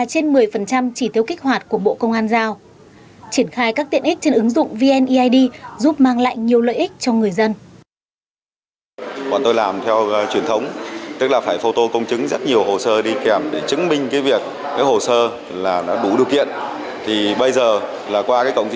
trên một mươi chỉ tiêu kích hoạt của bộ công an giao triển khai các tiện ích trên ứng dụng vneid giúp